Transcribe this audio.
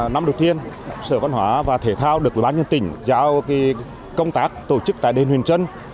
năm đầu tiên sở văn hóa và thể thao được ủy ban nhân tỉnh giao công tác tổ chức tại đền huyền trân